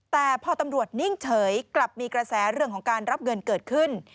แต่พอตำรวจนิ่งเฉยกลับมีกระแสเรื่องของการรับเงินเกิดขึ้น